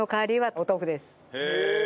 へえ！